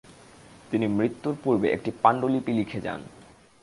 তিনি মৃত্যুর পূর্বে একটি পাণ্ডুলিপি লিখে যান।